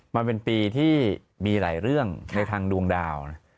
มันเป็นปีที่มีหลายเรื่องในทางดวงดาวนะ